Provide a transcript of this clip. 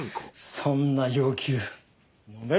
そんな要求のめる